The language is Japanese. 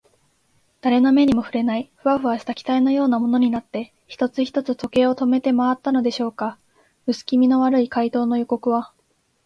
だれの目にもふれない、フワフワした気体のようなものになって、一つ一つ時計を止めてまわったのでしょうか。うすきみの悪い怪盗の予告は、